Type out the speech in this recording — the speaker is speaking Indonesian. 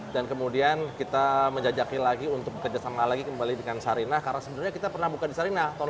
dan kemudian kita menjajaki lagi untuk bekerjasama lagi kembali dengan sarina karena sebenarnya kita pernah buka di sarina tahun delapan puluh an